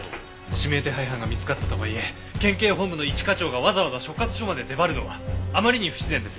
指名手配犯が見つかったとはいえ県警本部の一課長がわざわざ所轄署まで出張るのはあまりに不自然です。